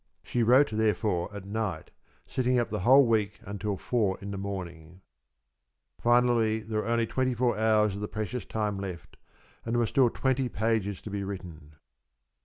She wrote therefore at night, sitting up the whole week until four in the mornings. Finally there were only twenty four hours of the precious time left, and there were still twenty pages to be written.